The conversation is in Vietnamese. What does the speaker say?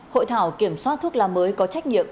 hội thảo kiểm soát thuốc lá mới có trách nhiệm